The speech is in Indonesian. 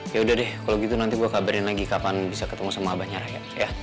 yaudah deh kalau gitu nanti gue kabarin lagi kapan bisa ketemu sama abah nyara ya